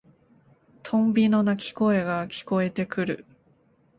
トンビの鳴き声が聞こえてくる。